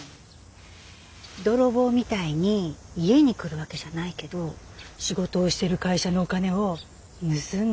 泥棒みたいに家に来るわけじゃないけど仕事をしてる会社のお金を盗んだりすることですね。